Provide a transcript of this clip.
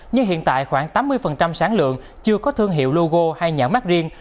nhưng hiện tại khoảng tám mươi sản lượng chưa có thương hiệu logo hay nhãn mát riêng